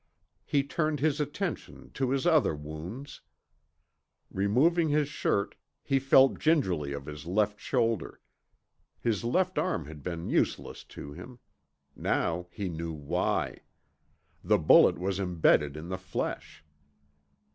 He turned his attention to his other wounds. Removing his shirt, he felt gingerly of his left shoulder. His left arm had been useless to him. Now he knew why. The bullet was embedded in the flesh.